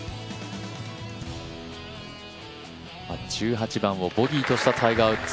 １８番をボギーとしたタイガー・ウッズ。